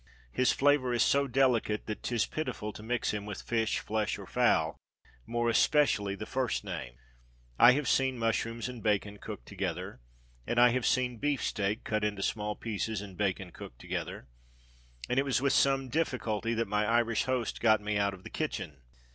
His flavour is so delicate that 'tis pitiful to mix him with fish, flesh, or fowl more especially the first named. I have seen mushrooms and bacon cooked together, and I have seen beef steak (cut into small pieces) and bacon cooked together, and it was with some difficulty that my Irish host got me out of the kitchen.